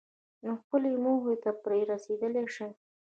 نو خپلې موخې ته پرې رسېدلای شئ.